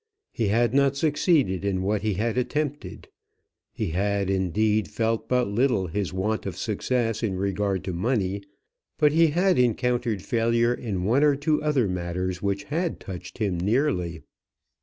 He had not succeeded in what he had attempted. He had, indeed, felt but little his want of success in regard to money, but he had encountered failure in one or two other matters which had touched him nearly.